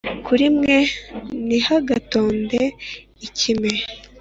Kuri mwe ntihagatonde ikime